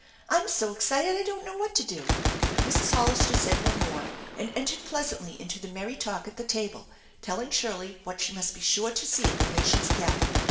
I'm so excited I don't know what to do !" Mrs. Hollister said no more, and entered pleasantly into the merry talk at the table, telling Shirley what she must be sure to see at the nation's capital.